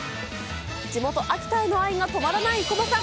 地元、秋田への愛が止まらない生駒さん。